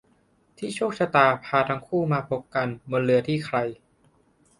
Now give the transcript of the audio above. ที่โชคชะตาพาทั้งคู่มาพบกันบนเรือที่ใคร